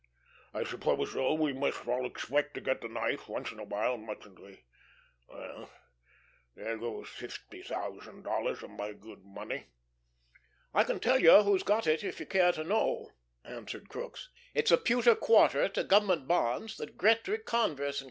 I suppose, though, we must all expect to get the knife once in a while mustn't we? Well, there goes fifty thousand dollars of my good money." "I can tell you who's got it, if you care to know," answered Crookes. "It's a pewter quarter to Government bonds that Gretry, Converse & Co.